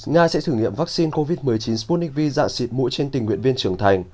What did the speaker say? nga sẽ thử nghiệm vaccine covid một mươi chín sputnik vạ xịt mũi trên tình nguyện viên trưởng thành